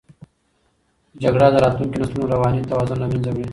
جګړه د راتلونکو نسلونو رواني توازن له منځه وړي.